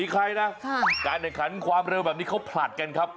กาแขนขั้นความเร็วอยู่แบบนี้เขาผลัดกันครับ